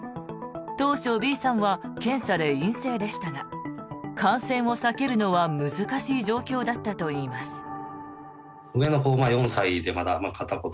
当初、Ｂさんは検査で陰性でしたが感染を避けるのは難しい状況だったといいます。